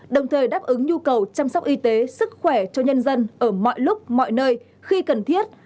đồng thời đáp ứng nhu cầu chăm sóc y tế sức khỏe cho nhân dân ở mọi lúc mọi nơi khi cần thiết